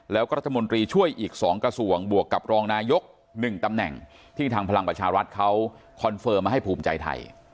แล้วก็รัฐมนตรีช่วยอีก๒กระทรวงบวกกับรองนายก๑ตำแหน่งที่ทางพลังประชารัฐเขาคอนเฟิร์มมาให้ภูมิใจไทย